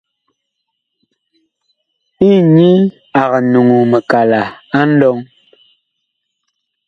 Inyi ag nuŋuu mikala nlɔŋ.